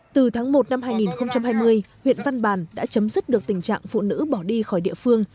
từ tháng một năm hai nghìn hai mươi huyện văn bàn đã chấm dứt được tình trạng phụ nữ bỏ đi khỏi địa phương